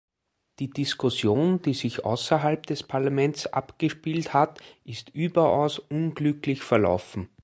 Die Diskussion, die sich außerhalb des Parlaments abgespielt hat, ist überaus unglücklich verlaufen.